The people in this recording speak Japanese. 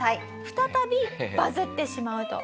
再びバズってしまうと。